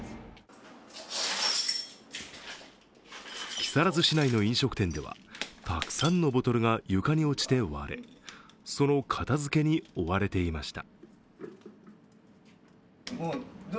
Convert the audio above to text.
木更津市内の飲食店ではたくさんのボトルが床に落ちて割れその片づけに追われていました。